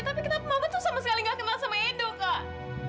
tapi kenapa mama tuh sama sekali nggak kenal sama edo kak